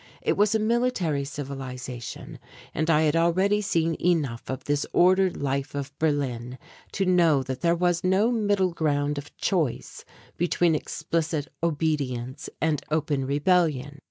It was a military civilization and I had already seen enough of this ordered life of Berlin to know that there was no middle ground of choice between explicit obedience and open rebellion.